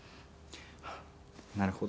なるほど。